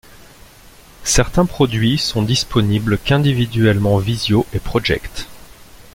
Certains produits sont disponibles qu'individuellement Visio et Project.